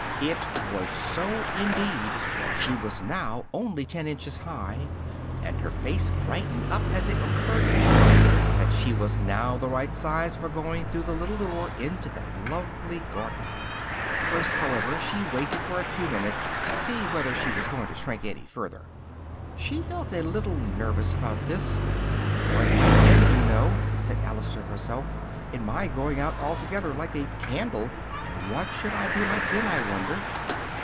It was so indeed: she was now only ten inches high, and her face brightened up as it occurred to her that she was now the right size for going through the little door into that lovely garden. First, however, she waited for a few minutes to see whether she was going to shrink any further: she felt a little nervous about this, "for it might end, you know," said Alice to herself, "in my going out altogether, like a candle, and what should I be like then, I wonder?"